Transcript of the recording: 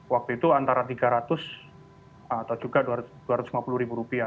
waktu itu antara rp tiga ratus atau juga rp dua ratus lima puluh ribu rupiah